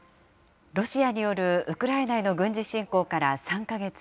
ロシアによるウクライナへの軍事侵攻から３か月。